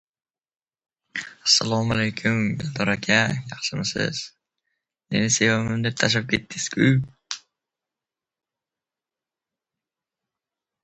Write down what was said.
— Eh-ye-ye! Yoril-ye, bachchag‘ar-ye, yoril-ye!